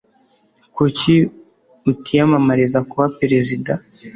Kuki utiyamamariza kuba perezida